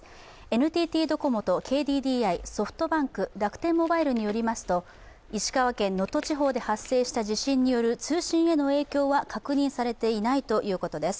ＮＴＴドコモとＫＤＤＩ、ソフトバンク、楽天モバイルによりますと石川県能登地方で発生した地震による通信への影響は確認されていないということです。